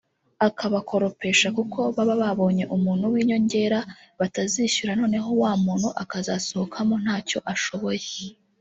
akabakoropesha kuko baba babonye umuntu w’inyongera batazishyura noneho wa muntu akazasohokamo ntacyo ashoboye